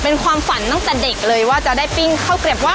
เป็นความฝันตั้งแต่เด็กเลยว่าจะได้ปิ้งข้าวเกร็บว่า